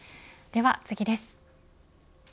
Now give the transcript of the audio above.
では次です。